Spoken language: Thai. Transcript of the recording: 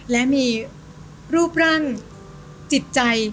และมีรูปร่างจิตใจ